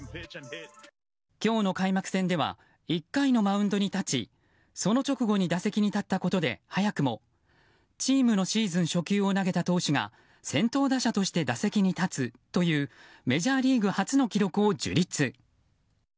今日の開幕戦では１回のマウンドに立ちその直後に打席に立ったことで、早くもチームのシーズン初球を投げた投手が先頭打者として打席に立つというメジャーリーグ初の記録を樹立。